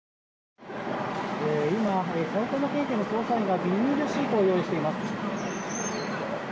今、埼玉県警の捜査員がビニールシートを用意しています。